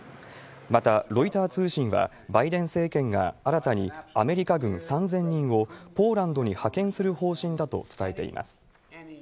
またロイター通信は、バイデン政権が新たにアメリカ軍３０００人をポーランドに派遣する方針だと伝えています。